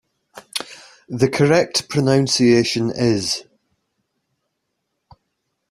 The correct pronunciation is.